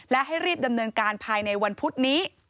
และให้รีบดำเนินการภายในวันพุธนี้